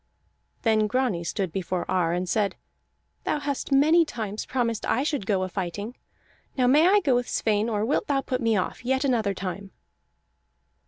Then Grani stood before Ar, and said: "Thou hast many times promised I should go a fighting. Now may I go with Sweyn, or wilt thou put me off yet another time?"